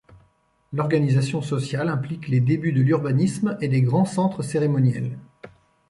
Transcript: L'organisation sociale implique les débuts de l'urbanisme et des grands centres cérémoniels.